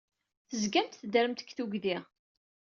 Tezgamt teddremt deg tuggdi.